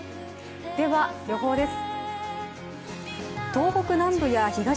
では、予報です。